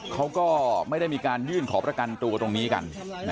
เขาก็ไม่ได้มีการยื่นขอประกันตัวตรงนี้กัน